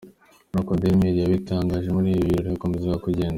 Nkuko dailymail yabitangaje, muri ibi birori bakomezaga kugenda.